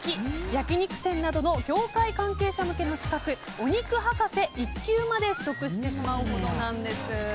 焼き肉店などの業界関係者向けの資格お肉博士１級まで取得してしまうほどなんです。